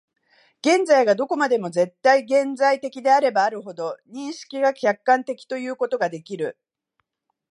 現在がどこまでも絶対現在的であればあるほど、認識が客観的ということができる。